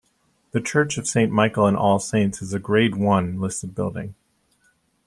The Church of Saint Michael and All Saints is a Grade One listed building.